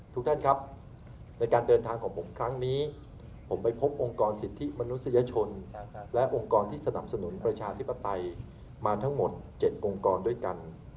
ทุกท่านครับในการเดินทางของผมครั้งนี้ผมไปพบองค์กรสิทธิมนุษยชนและองค์กรที่สนับสนุนประชาธิปไตยมาทั้งหมด๗องค์กรด้วยกัน